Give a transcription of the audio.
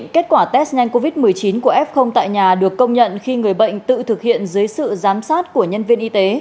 kết quả test nhanh covid một mươi chín của f tại nhà được công nhận khi người bệnh tự thực hiện dưới sự giám sát của nhân viên y tế